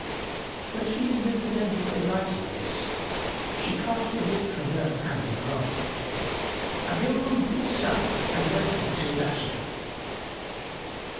When she had made an end of her writing this, she cast the writ from her hand in wrath, and the old woman picked it up and went with it to Ardashir.